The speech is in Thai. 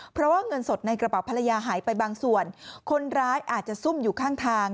เพราะว่าเงินสดในกระเป๋าภรรยาหายไปบางส่วนคนร้ายอาจจะซุ่มอยู่ข้างทาง